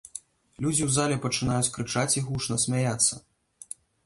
Людзі ў зале пачынаюць крычаць і гучна смяяцца.